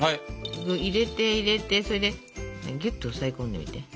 入れて入れてそれでぎゅっと押さえ込んでみて。